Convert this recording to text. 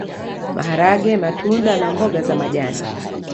Maharage matunda na mboga za majani